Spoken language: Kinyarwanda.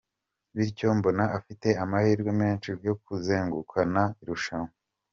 Bityo mbona afite amahirwe menshi yo kuzegukana irushanwa.